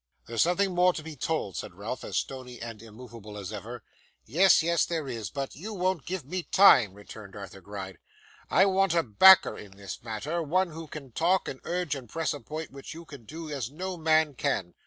'There's something more to be told,' said Ralph, as stony and immovable as ever. 'Yes, yes, there is, but you won't give me time,' returned Arthur Gride. 'I want a backer in this matter; one who can talk, and urge, and press a point, which you can do as no man can.